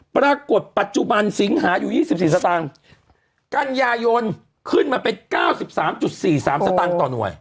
ปรากฏปัจจุบันสิงหาอยู่๒๔สตางค์กันยายนขึ้นมาเป็น๙๓๔๓สตางค์ต่อหน่วย